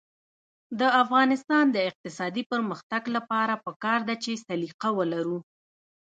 د افغانستان د اقتصادي پرمختګ لپاره پکار ده چې سلیقه ولرو.